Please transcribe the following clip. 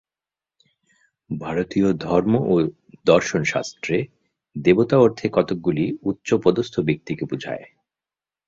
ভারতীয় ধর্ম ও দর্শনশাস্ত্রে দেবতা অর্থে কতকগুলি উচ্চপদস্থ ব্যক্তিকে বুঝায়।